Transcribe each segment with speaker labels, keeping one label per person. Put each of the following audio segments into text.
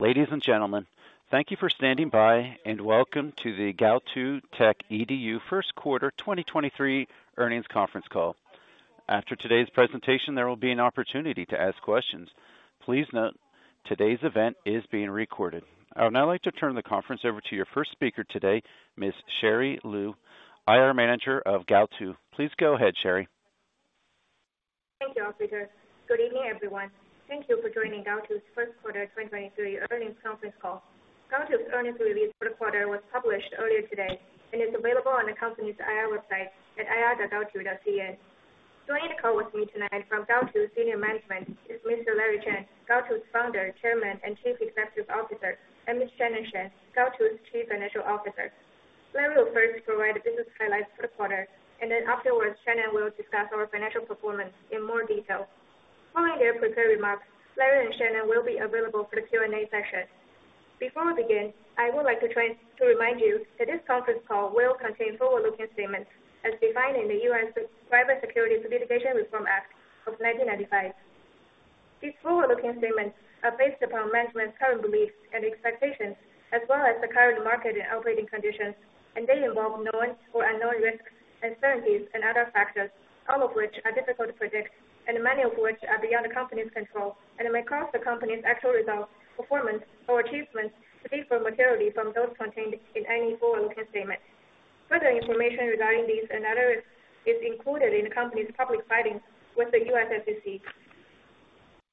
Speaker 1: Ladies and gentlemen, thank you for standing by, and welcome to the Gaotu Techedu First Quarter 2023 Earnings Conference Call. After today's presentation, there will be an opportunity to ask questions. Please note, today's event is being recorded. I would now like to turn the conference over to your first speaker today, Ms. Sherry Liu, IR Manager of Gaotu. Please go ahead, Sherry.
Speaker 2: Thank you, operator. Good evening, everyone. Thank you for joining Gaotu's First Quarter 2023 Earnings Conference Call. Gaotu's earnings release for the quarter was published earlier today and is available on the company's IR website at ir.gaotu.cn. Joining the call with me tonight from Gaotu senior management is Mr. Larry Chen, Gaotu's Founder, Chairman, and Chief Executive Officer, and Ms. Shannon Shen, Gaotu's Chief Financial Officer. Larry will first provide business highlights for the quarter, and then afterwards, Shannon will discuss our financial performance in more detail. Following their prepared remarks, Larry and Shannon will be available for the Q&A session. Before we begin, I would like to remind you that this conference call will contain forward-looking statements as defined in the U.S. Private Securities Litigation Reform Act of 1995. These forward-looking statements are based upon management's current beliefs and expectations, as well as the current market and operating conditions, and they involve known or unknown risks, uncertainties, and other factors, all of which are difficult to predict and many of which are beyond the company's control, and it may cause the company's actual results, performance, or achievements to differ materially from those contained in any forward-looking statements. Further information regarding these and others is included in the company's public filings with the U.S. SEC.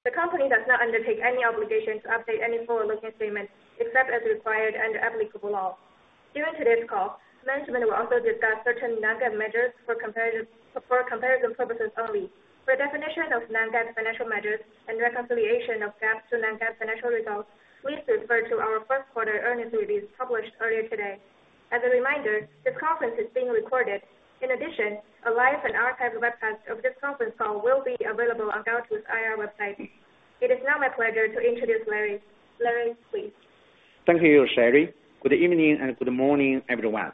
Speaker 2: The company does not undertake any obligation to update any forward-looking statements, except as required under applicable law. During today's call, management will also discuss certain non-GAAP measures for comparison purposes only. For definition of non-GAAP financial measures and reconciliation of GAAP to non-GAAP financial results, please refer to our first quarter earnings release published earlier today. As a reminder, this conference is being recorded. A live and archived webcast of this conference call will be available on Gaotu's IR website. It is now my pleasure to introduce Larry. Larry, please.
Speaker 3: Thank you, Sherry. Good evening and good morning, everyone.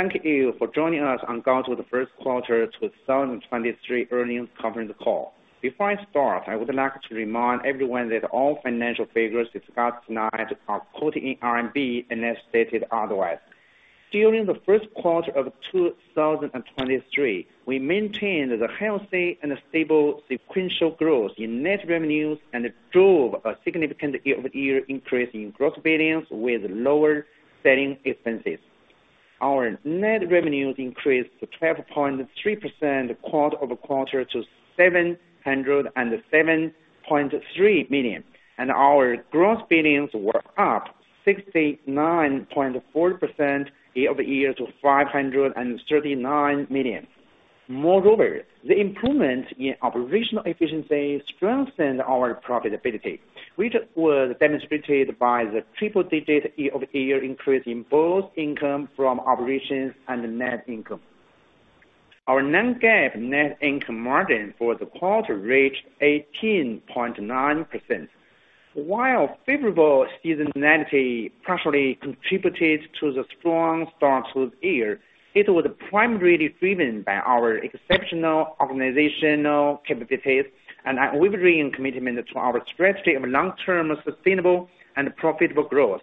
Speaker 3: Thank you for joining us on Gaotu the First Quarter 2023 Earnings Conference Call. Before I start, I would like to remind everyone that all financial figures discussed tonight are quoted in RMB, unless stated otherwise. During the first quarter of 2023, we maintained the healthy and stable sequential growth in net revenues and drove a significant year-over-year increase in gross billings with lower selling expenses. Our net revenues increased to 12.3% quarter-over-quarter to 707.3 million, and our gross billings were up 69.4% year-over-year to 539 million. Moreover, the improvement in operational efficiency strengthened our profitability, which was demonstrated by the triple digit year-over-year increase in both income from operations and net income. Our non-GAAP net income margin for the quarter reached 18.9%. While favorable seasonality partially contributed to the strong start to the year, it was primarily driven by our exceptional organizational capabilities and unwavering commitment to our strategy of long-term, sustainable, and profitable growth,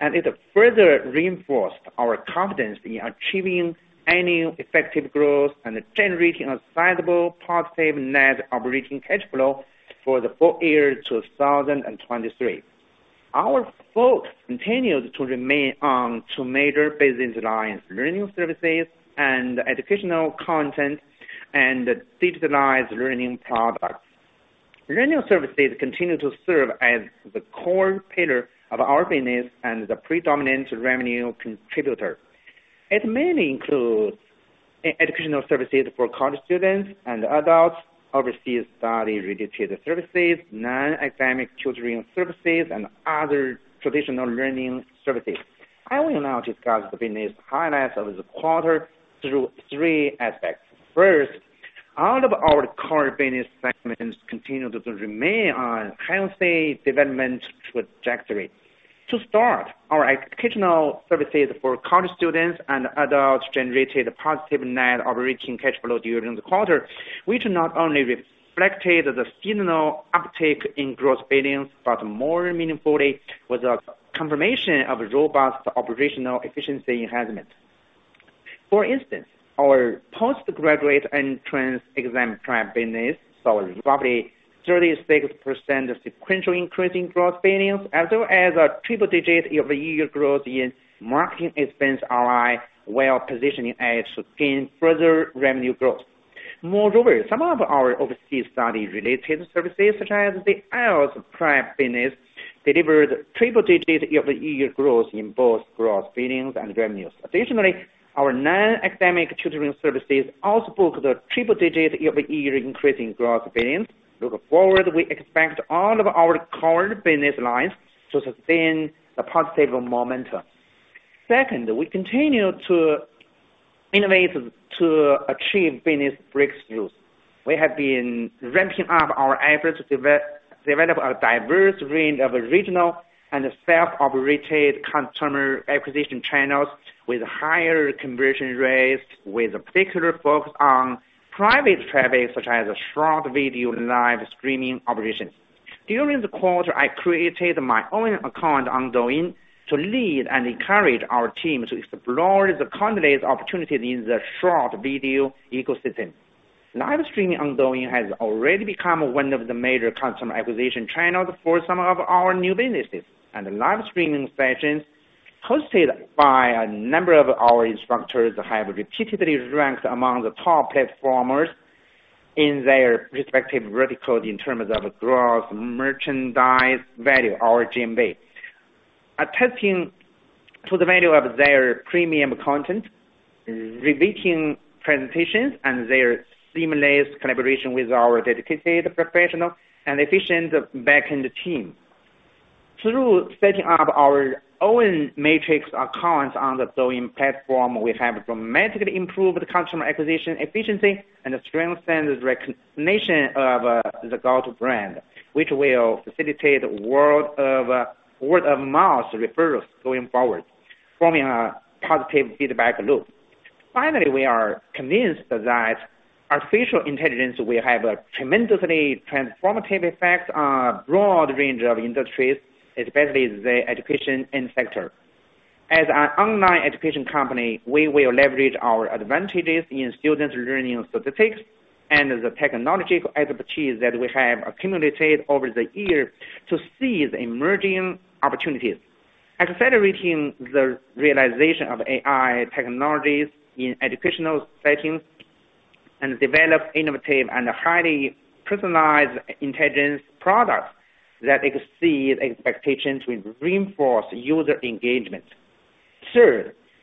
Speaker 3: and it further reinforced our confidence in achieving annual effective growth and generating a sizable positive net operating cash flow for the full year 2023. Our focus continues to remain on two major business lines: learning services and educational content and digitalized learning products. Learning services continue to serve as the core pillar of our business and the predominant revenue contributor. It mainly includes educational services for college students and adults, overseas study-related services, non-academic tutoring services, and other traditional learning services. I will now discuss the business highlights of the quarter through three aspects. First, all of our core business segments continue to remain on healthy development trajectory. To start, our educational services for college students and adults generated a positive net operating cash flow during the quarter, which not only reflected the seasonal uptick in gross billings, but more meaningfully, was a confirmation of robust operational efficiency enhancement. For instance, our postgraduate entrance exam prep business saw roughly 36% sequential increase in gross billings, as well as a triple digit year-over-year growth in marketing expense ROI, while positioning it to gain further revenue growth. Moreover, some of our overseas study-related services, such as the IELTS prep business, delivered triple digit year-over-year growth in both gross billings and revenues. Additionally, our non-academic tutoring services also booked a triple digit year-over-year increase in gross billings. Looking forward, we expect all of our core business lines to sustain the positive momentum. Second, we continue to innovate to achieve business breakthroughs. We have been ramping up our efforts to develop a diverse range of regional and self-operated consumer acquisition channels with higher conversion rates, with a particular focus on private traffic, such as short video and live streaming operations. During the quarter, I created my own account on Douyin to lead and encourage our team to explore the countless opportunities in the short video ecosystem. Live streaming on Douyin has already become one of the major customer acquisition channels for some of our new businesses, and live streaming sessions hosted by a number of our instructors have repeatedly ranked among the top performers in their respective verticals in terms of growth merchandise value or GMV. Attesting to the value of their premium content, repeating presentations, and their seamless collaboration with our dedicated professional and efficient backend team. Through setting up our own matrix accounts on the Douyin platform, we have dramatically improved customer acquisition efficiency and strengthened recognition of the Gaotu brand, which will facilitate word of mouth referrals going forward, forming a positive feedback loop. We are convinced that artificial intelligence will have a tremendously transformative effect on a broad range of industries, especially the education sector. As an online education company, we will leverage our advantages in students' learning statistics and the technological expertise that we have accumulated over the years to seize emerging opportunities, accelerating the realization of AI technologies in educational settings, and develop innovative and highly personalized intelligence products that exceed expectations to reinforce user engagement.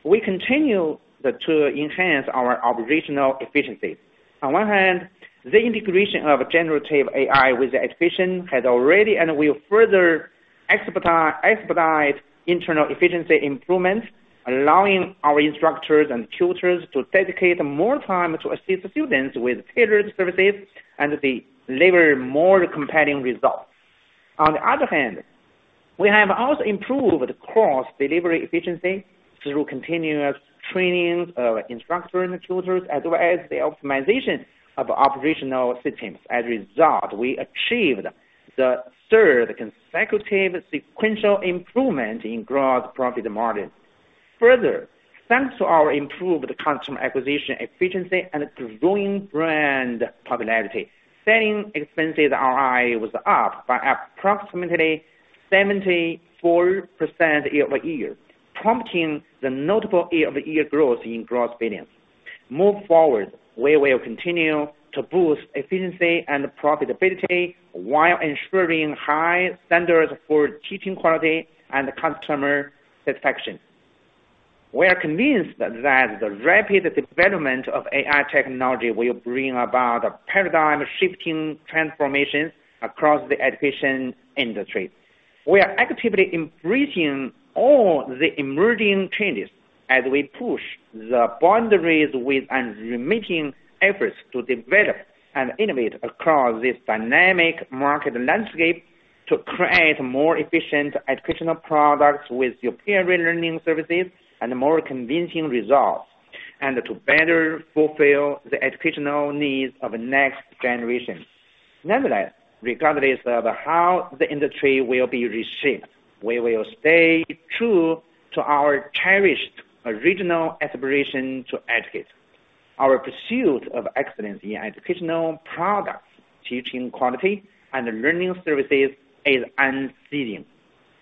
Speaker 3: We continue to enhance our operational efficiency. On one hand, the integration of generative AI with the education has already and will further expedite internal efficiency improvements, allowing our instructors and tutors to dedicate more time to assist students with tailored services, and they deliver more compelling results. On the other hand, we have also improved the course delivery efficiency through continuous training of instructors and tutors, as well as the optimization of operational systems. As a result, we achieved the third consecutive sequential improvement in gross profit margin. Thanks to our improved customer acquisition efficiency and growing brand popularity, selling expenses ROI was up by approximately 74% year-over-year, prompting the notable year-over-year growth in gross billings. Moving forward, we will continue to boost efficiency and profitability while ensuring high standards for teaching quality and customer satisfaction. We are convinced that the rapid development of AI technology will bring about a paradigm-shifting transformation across the education industry. We are actively embracing all the emerging changes as we push the boundaries with unremitting efforts to develop and innovate across this dynamic market landscape, to create more efficient educational products with superior learning services and more convincing results, and to better fulfill the educational needs of the next generation. Nonetheless, regardless of how the industry will be reshaped, we will stay true to our cherished original aspiration to educate. Our pursuit of excellence in educational products, teaching quality, and learning services is unceasing.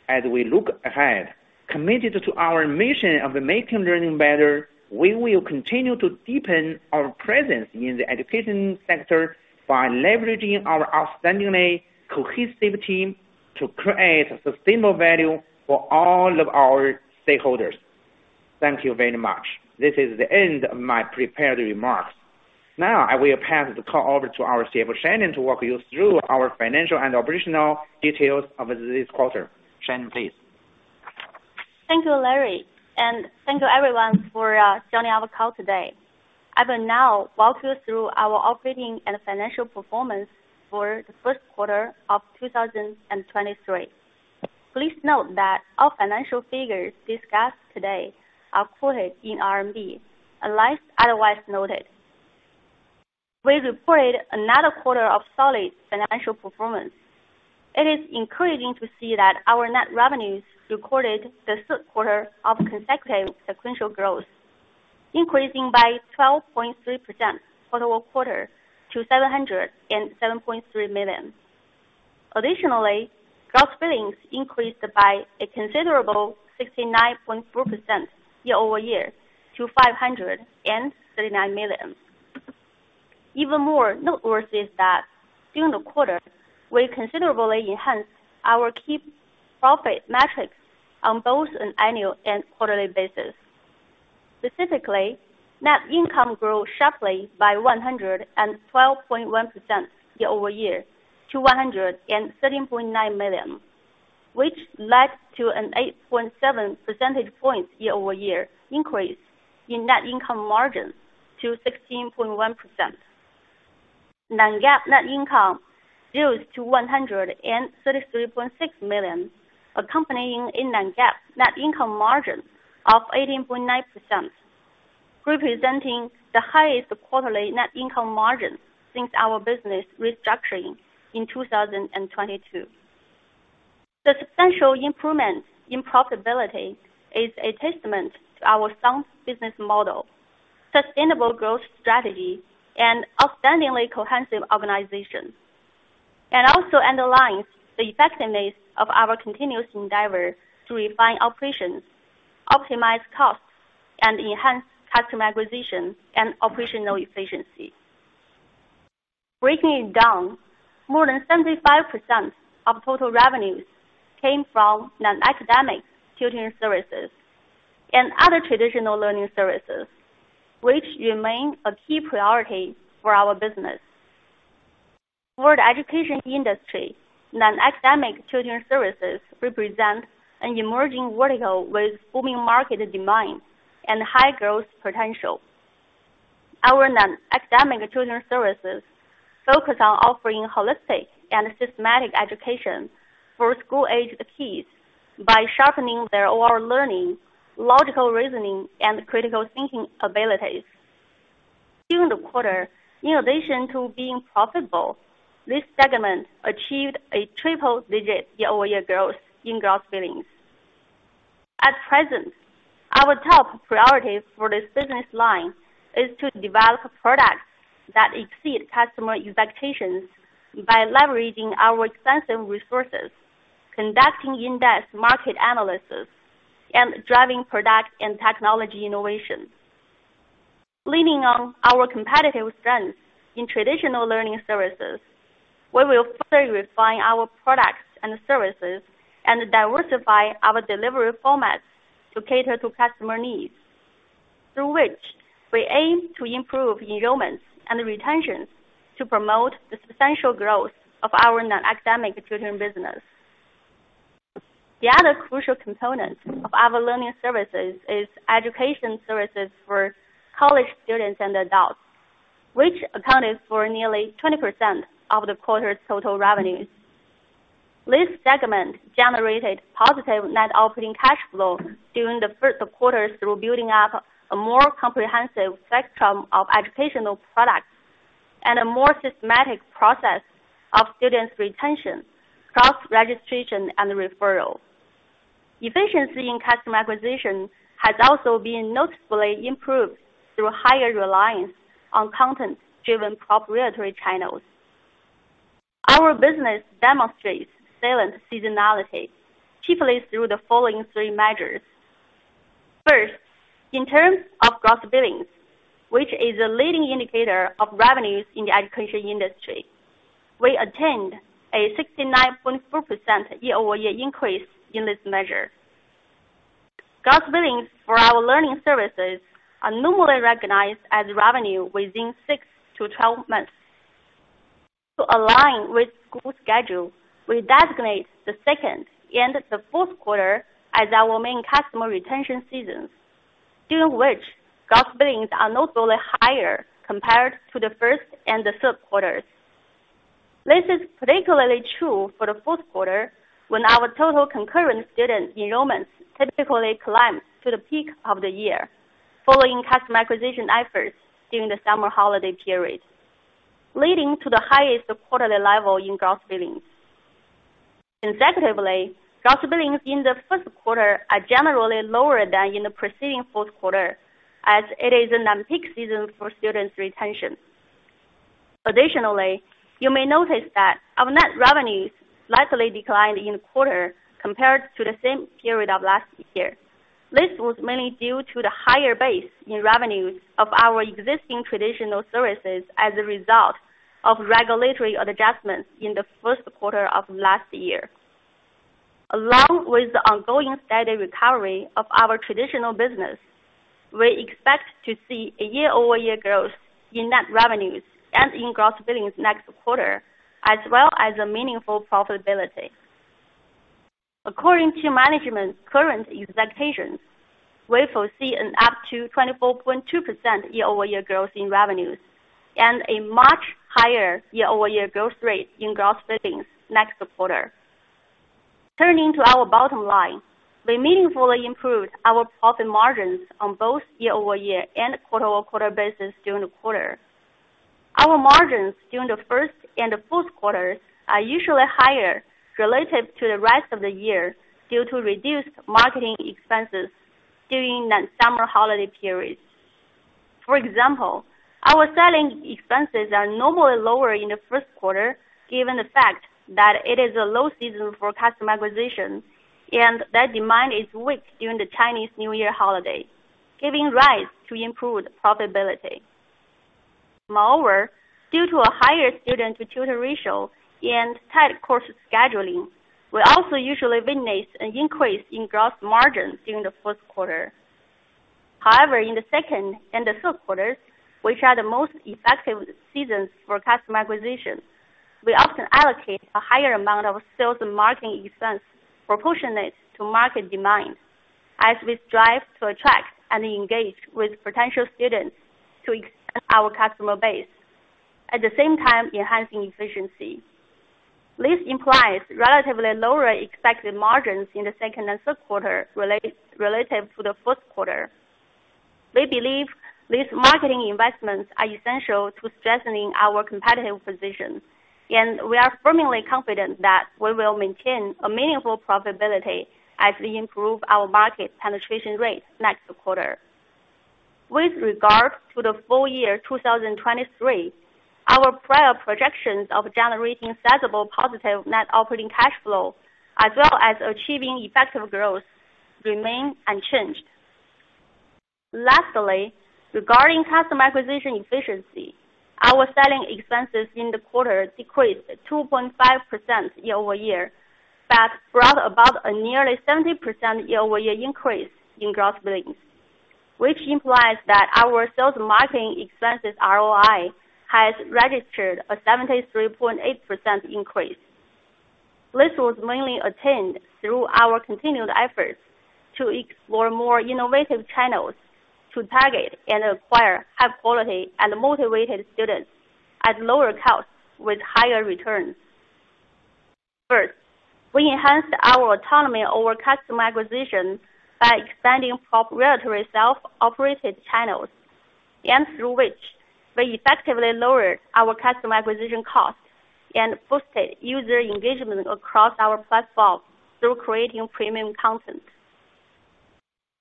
Speaker 3: As we look ahead, committed to our mission of making learning better, we will continue to deepen our presence in the education sector by leveraging our outstandingly cohesive team to create sustainable value for all of our stakeholders. Thank you very much. This is the end of my prepared remarks. I will pass the call over to our CFO, Shannon, to walk you through our financial and operational details of this quarter. Shannon, please.
Speaker 4: Thank you, Larry, and thank you everyone for joining our call today. I will now walk you through our operating and financial performance for the first quarter of 2023. Please note that all financial figures discussed today are quoted in RMB, unless otherwise noted. We reported another quarter of solid financial performance. It is encouraging to see that our net revenues recorded the third quarter of consecutive sequential growth, increasing by 12.3% quarter-over-quarter to 707.3 million. Additionally, gross billings increased by a considerable 69.4% year-over-year to 539 million. Even more noteworthy is that during the quarter, we considerably enhanced our key profit metrics on both an annual and quarterly basis. Specifically, net income grew sharply by 112.1% year-over-year to 113.9 million, which led to an 8.7 percentage points year-over-year increase in net income margin to 16.1%. non-GAAP net income rose to 133.6 million, accompanying a non-GAAP net income margin of 18.9%, representing the highest quarterly net income margin since our business restructuring in 2022. The substantial improvement in profitability is a testament to our sound business model, sustainable growth strategy, and outstandingly comprehensive organization, and also underlines the effectiveness of our continuous endeavors to refine operations, optimize costs, and enhance customer acquisition and operational efficiency. Breaking it down, more than 75% of total revenues came from non-academic tutoring services and other traditional learning services, which remain a key priority for our business. For the education industry, non-academic tutoring services represent an emerging vertical with booming market demand and high growth potential. Our non-academic tutoring services focus on offering holistic and systematic education for school-aged kids by sharpening their overall learning, logical reasoning, and critical thinking abilities. During the quarter, in addition to being profitable, this segment achieved a triple digit year-over-year growth in gross billings. At present, our top priority for this business line is to develop products that exceed customer expectations by leveraging our extensive resources, conducting in-depth market analysis, and driving product and technology innovation. Leaning on our competitive strengths in traditional learning services, we will further refine our products and services and diversify our delivery formats to cater to customer needs, through which we aim to improve enrollments and retentions to promote the substantial growth of our non-academic tutoring business. The other crucial component of our learning services is education services for college students and adults, which accounted for nearly 20% of the quarter's RMB total revenues. This segment generated positive RMB net operating cash flow during the first quarter through building up a more comprehensive spectrum of educational products and a more systematic process of students retention, cross-registration, and referral. Efficiency in customer acquisition has also been noticeably improved through higher reliance on content-driven proprietary channels. Our business demonstrates salient seasonality, chiefly through the following three measures. First, in terms of gross billings, which is a leading indicator of revenues in the education industry, we attained a 69.4% year-over-year increase in this measure. Gross billings for our learning services are normally recognized as revenue within six to 12 months. To align with school schedule, we designate the second and the fourth quarter as our main customer retention seasons, during which gross billings are notably higher compared to the first and the third quarters. This is particularly true for the fourth quarter, when our total concurrent student enrollments typically climb to the peak of the year, following customer acquisition efforts during the summer holiday period, leading to the highest quarterly level in gross billings. Effectively, gross billings in the first quarter are generally lower than in the preceding fourth quarter, as it is a non-peak season for students retention. Additionally, you may notice that our net revenues slightly declined in the quarter compared to the same period of last year. This was mainly due to the higher base in revenues of our existing traditional services as a result of regulatory adjustments in the first quarter of last year. Along with the ongoing steady recovery of our traditional business, we expect to see a year-over-year growth in net revenues and in gross billings next quarter, as well as a meaningful profitability. According to management's current expectations, we foresee an up to 24.2% year-over-year growth in revenues, and a much higher year-over-year growth rate in gross billings next quarter. Turning to our bottom line, we meaningfully improved our profit margins on both year-over-year and quarter-over-quarter basis during the quarter. Our margins during the first and the fourth quarters are usually higher relative to the rest of the year, due to reduced marketing expenses during the summer holiday periods. For example, our selling expenses are normally lower in the first quarter, given the fact that it is a low season for customer acquisition, and that demand is weak during the Chinese New Year holiday, giving rise to improved profitability. Moreover, due to a higher student-to-tutor ratio and tight course scheduling, we also usually witness an increase in gross margins during the fourth quarter. However, in the second and the third quarters, which are the most effective seasons for customer acquisition, we often allocate a higher amount of sales and marketing expense proportionate to market demand, as we strive to attract and engage with potential students to expand our customer base, at the same time, enhancing efficiency. This implies relatively lower expected margins in the second and third quarter relative to the first quarter. We believe these marketing investments are essential to strengthening our competitive position. We are firmly confident that we will maintain a meaningful profitability as we improve our market penetration rates next quarter. With regard to the full year 2023, our prior projections of generating sizable positive net operating cash flow, as well as achieving effective growth, remain unchanged. Lastly, regarding customer acquisition efficiency, our selling expenses in the quarter decreased 2.5% year-over-year, but brought about a nearly 70% year-over-year increase in gross billings, which implies that our sales marketing expenses ROI has registered a 73.8% increase. This was mainly attained through our continued efforts to explore more innovative channels to target and acquire high quality and motivated students at lower costs with higher returns. First, we enhanced our autonomy over customer acquisition by expanding proprietary self-operated channels. Through which we effectively lowered our customer acquisition costs and boosted user engagement across our platform through creating premium content.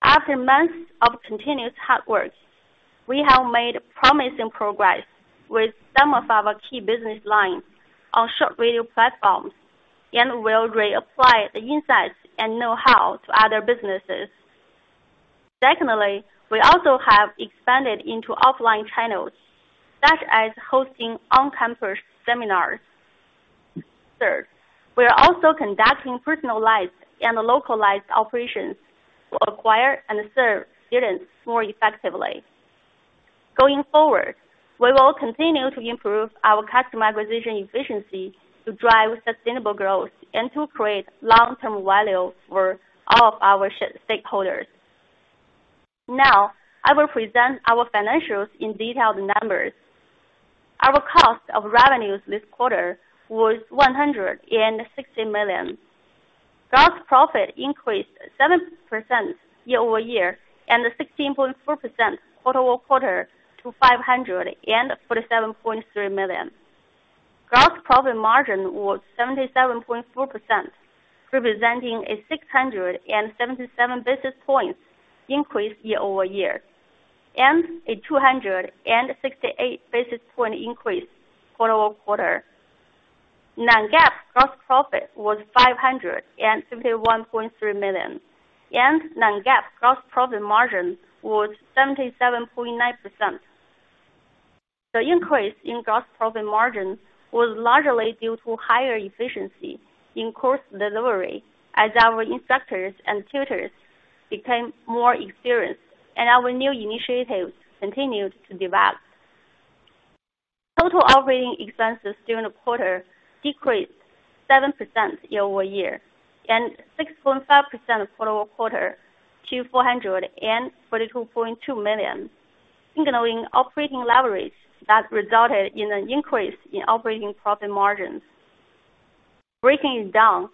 Speaker 4: After months of continuous hard work, we have made promising progress with some of our key business lines on short video platforms. We'll reapply the insights and know-how to other businesses. Secondly, we also have expanded into offline channels, such as hosting on-campus seminars. Third, we are also conducting personalized and localized operations to acquire and serve students more effectively. Going forward, we will continue to improve our customer acquisition efficiency to drive sustainable growth and to create long-term value for all of our stakeholders. Now, I will present our financials in detailed numbers. Our cost of revenues this quarter was 160 million. Gross profit increased 7% year-over-year, and 16.4% quarter-over-quarter to 547.3 million. Gross profit margin was 77.4%, representing a 677 basis points increase year-over-year, and a 268 basis point increase quarter-over-quarter. Non-GAAP gross profit was 571.3 million, and non-GAAP gross profit margin was 77.9%. The increase in gross profit margin was largely due to higher efficiency in course delivery, as our instructors and tutors became more experienced, and our new initiatives continued to develop. Total operating expenses during the quarter decreased 7% year-over-year, and 6.5% quarter-over-quarter to 442.2 million, signaling operating leverage that resulted in an increase in operating profit margins. Breaking it down,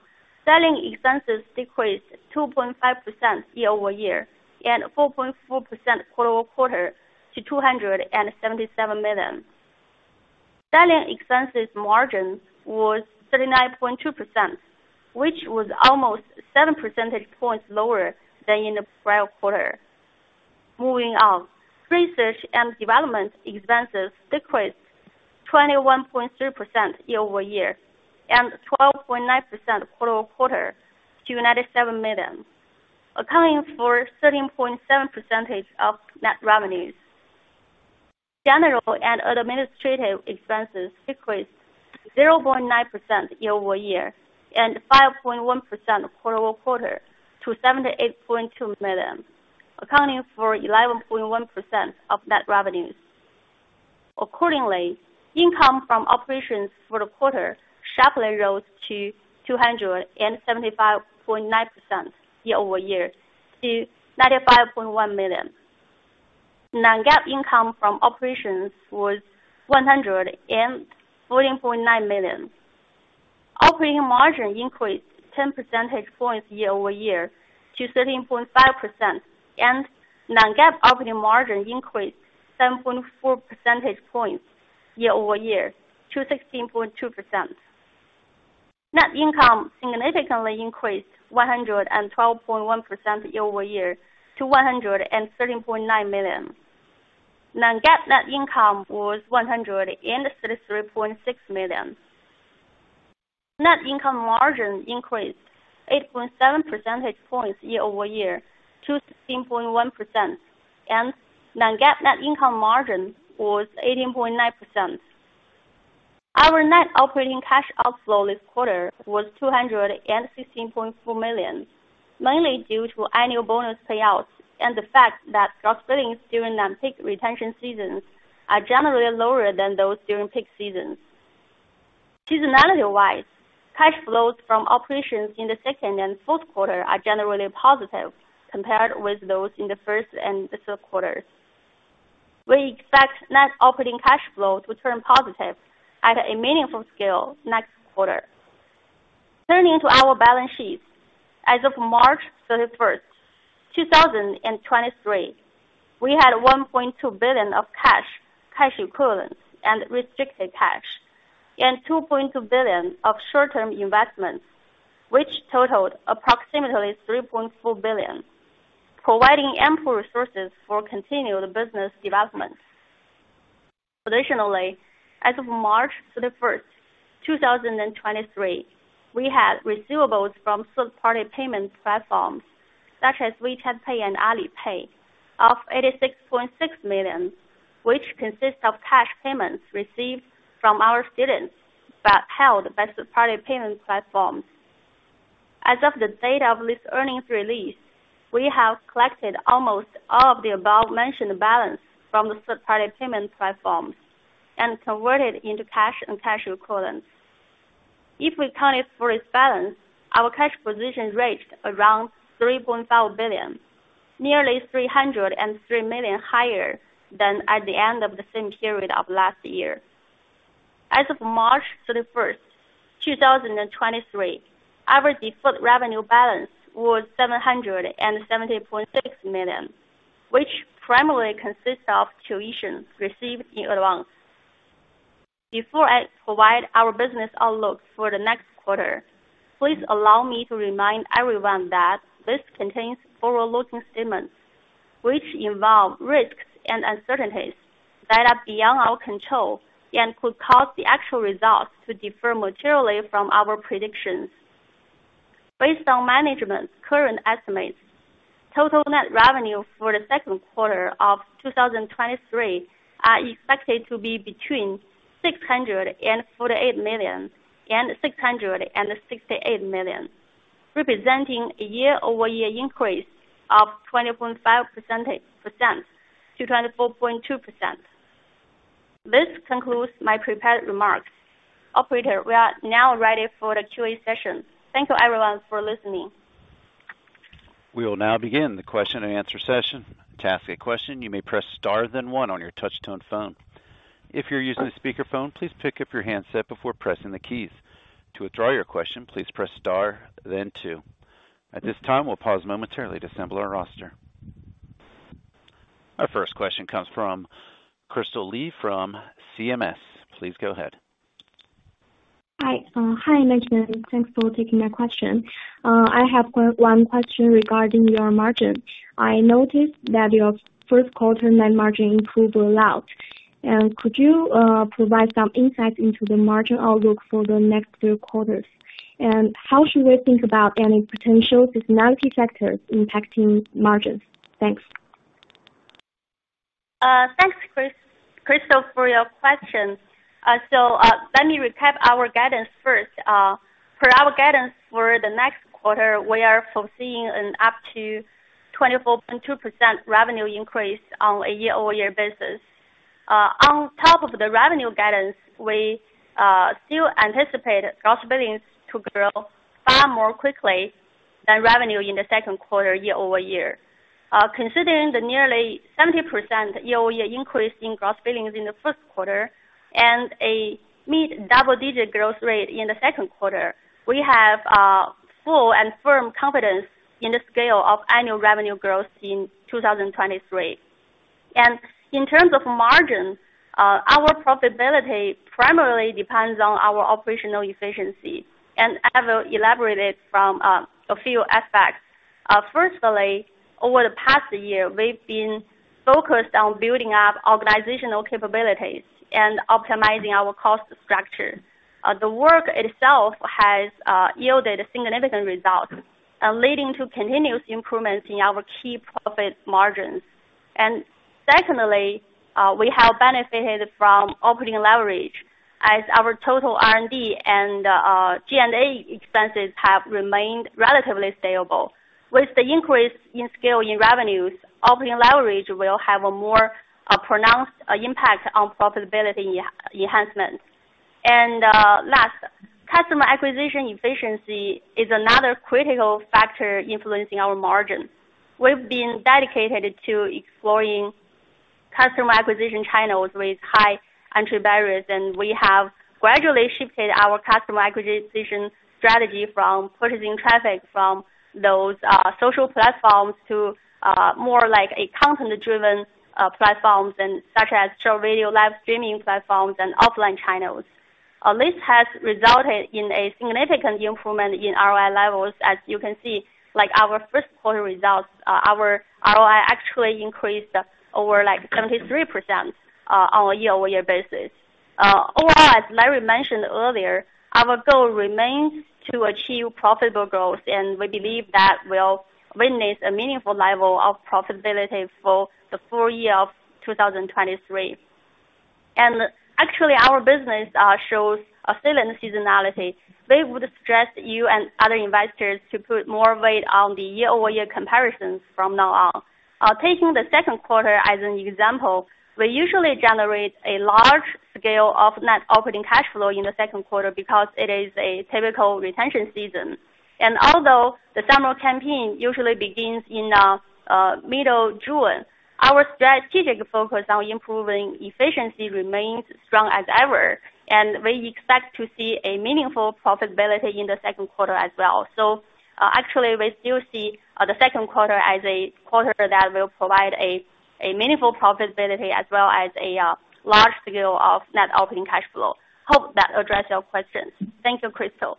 Speaker 4: selling expenses decreased 2.5% year-over-year, and 4.4% quarter-over-quarter to 277 million. Selling expenses margin was 39.2%, which was almost seven percentage points lower than in the prior quarter. Moving on. Research and development expenses decreased 21.3% year-over-year, and 12.9% quarter-over-quarter to 97 million, accounting for 13.7% of net revenues. General and administrative expenses decreased 0.9% year-over-year, and 5.1% quarter-over-quarter to 78.2 million, accounting for 11.1% of net revenues. Income from operations for the quarter sharply rose to 275.9% year-over-year to 95.1 million. non-GAAP income from operations was 114.9 million. Operating margin increased 10 percentage points year-over-year to 13.5%, and non-GAAP operating margin increased 7.4 percentage points year-over-year to 16.2%. Net income significantly increased 112.1% year-over-year to 113.9 million. non-GAAP net income was 133.6 million. Net income margin increased 8.7 percentage points year-over-year to 16.1%, and non-GAAP net income margin was 18.9%. Our net operating cash outflow this quarter was 216.4 million, mainly due to annual bonus payouts and the fact that gross billings during non-peak retention seasons are generally lower than those during peak seasons. Seasonality wise, cash flows from operations in the second and fourth quarter are generally positive compared with those in the first and the third quarters. We expect net operating cash flow to turn positive at a meaningful scale next quarter. Turning to our balance sheet, as of March 31, 2023, we had 1.2 billion of cash equivalents, and restricted cash, and 2.2 billion of short-term investments, which totaled approximately 3.4 billion, providing ample resources for continued business development. Additionally, as of March 31st, 2023, we had receivables from third-party payment platforms, such as WeChat Pay and Alipay, of 86.6 million, which consists of cash payments received from our students, but held by third-party payment platforms. As of the date of this earnings release, we have collected almost all of the above-mentioned balance from the third-party payment platforms and converted into cash and cash equivalents. If we count it for its balance, our cash position reached around 3.5 billion, nearly 303 million higher than at the end of the same period of last year. As of March 31st, 2023, our deferred revenue balance was 770.6 million, which primarily consists of tuition received in advance. Before I provide our business outlook for the next quarter, please allow me to remind everyone that this contains forward-looking statements, which involve risks and uncertainties that are beyond our control and could cause the actual results to differ materially from our predictions. Based on management's current estimates, total net revenue for the second quarter of 2023 are expected to be between 648 million and 668 million, representing a year-over-year increase of 20.5%-24.2%. This concludes my prepared remarks. Operator, we are now ready for the QA session. Thank you everyone for listening.
Speaker 1: We will now begin the question and answer session. To ask a question, you may press star, then one on your touch tone phone. If you're using a speakerphone, please pick up your handset before pressing the keys. To withdraw your question, please press star then two. At this time, we'll pause momentarily to assemble our roster. Our first question comes from Crystal Li from CMS. Please go ahead.
Speaker 5: Hi, hi, Shannon. Thanks for taking my question. I have one question regarding your margin. I noticed that your first quarter net margin improved a lot. Could you provide some insight into the margin outlook for the next three quarters? How should we think about any potential seasonality factors impacting margins? Thanks.
Speaker 4: Thanks, Crystal, for your question. Let me recap our guidance first. Per our guidance for the next quarter, we are foreseeing an up to 24.2% revenue increase on a year-over-year basis. On top of the revenue guidance, we still anticipate gross billings to grow far more quickly than revenue in the second quarter, year-over-year. Considering the nearly 70% year-over-year increase in gross billings in the first quarter, and a mid-double-digit growth rate in the second quarter, we have full and firm confidence in the scale of annual revenue growth in 2023. In terms of margin, our profitability primarily depends on our operational efficiency, and I will elaborate it from a few aspects. Firstly, over the past year, we've been focused on building up organizational capabilities and optimizing our cost structure. The work itself has yielded significant results, leading to continuous improvements in our key profit margins. Secondly, we have benefited from operating leverage as our total R&D and G&A expenses have remained relatively stable. With the increase in scale in revenues, operating leverage will have a more pronounced impact on profitability enhancement. Last, customer acquisition efficiency is another critical factor influencing our margin. We've been dedicated to exploring customer acquisition channels with high entry barriers, and we have gradually shifted our customer acquisition strategy from purchasing traffic from those social platforms to more like a content-driven platforms and such as short video, live streaming platforms and offline channels. This has resulted in a significant improvement in ROI levels. As you can see, our first quarter results, our ROI actually increased over 73% on a year-over-year basis. Overall, as Larry mentioned earlier, our goal remains to achieve profitable growth, and we believe that we'll witness a meaningful level of profitability for the full year of 2023. Actually, our business shows a a salient seasonality. We would stress you and other investors to put more weight on the year-over-year comparisons from now on. Taking the second quarter as an example, we usually generate a large scale of net operating cash flow in the second quarter because it is a typical retention season. Although the summer campaign usually begins in middle June, our strategic focus on improving efficiency remains strong as ever, we expect to see a meaningful profitability in the second quarter as well. Actually, we still see the second quarter as a quarter that will provide a meaningful profitability as well as a large scale of net operating cash flow. Hope that addressed your question. Thank you, Crystal.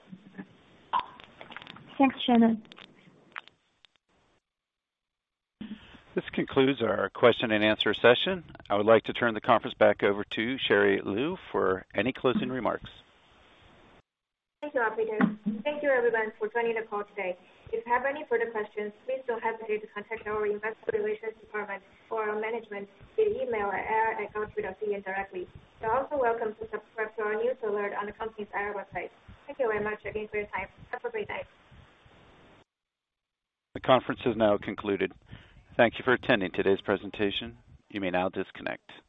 Speaker 5: Thanks, Shannon.
Speaker 1: This concludes our question and answer session. I would like to turn the conference back over to Sherry Liu for any closing remarks.
Speaker 2: Thank you, operator. Thank you everyone for joining the call today. If you have any further questions, please don't hesitate to contact our investor relations department or our management via email at ir@gaotu.cn directly. You're also welcome to subscribe to our news alert on the company's IR website. Thank you very much again for your time. Have a great night.
Speaker 1: The conference is now concluded. Thank you for attending today's presentation. You may now disconnect.